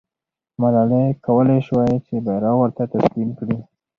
ملالۍ کولای سوای چې بیرغ ورته تسلیم کړي.